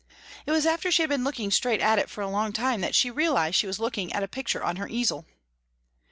It was after she had been looking straight at it for a long time that she realised she Was looking at a picture on her easel.